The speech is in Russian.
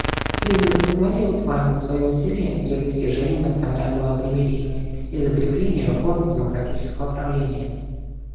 Лидеры Сомали удваивают свои усилия для достижения национального примирения и закрепления форм демократического правления.